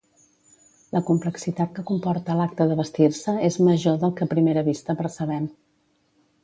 La complexitat que comporta l'acte de vestir-se és major del que a primera vista percebem.